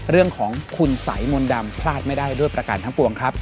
เรื่องของคุณสัยมนต์ดำพลาดไม่ได้ด้วยประการทั้งปวงครับ